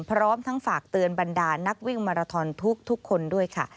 พร้อมทั้งฝากเตือนบรรดานักวิ่งมาราทอนทุกคนด้วยค่ะ